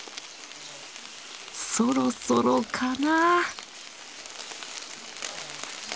そろそろかな？